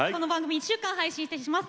１週間配信しています。